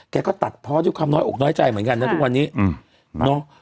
แกก็ตัดเพราะด้วยความน้อยอกน้อยใจเหมือนกันนะทุกวันนี้อืมเนอะ